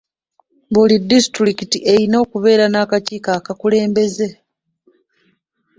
Buli disitulikiti erina okubeera n'akakiiko akakulembeze.